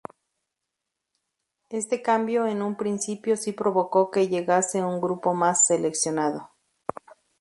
Este cambio en un principio si provocó que llegase un grupo más seleccionado.